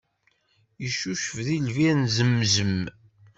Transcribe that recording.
Yeccucef deg lbir zemzem.